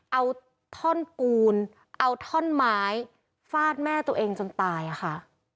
เอาท่อนปูนเอาท่อนไม้ฟาดแม่ตัวเองจนตายค่ะ